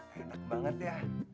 enak banget ya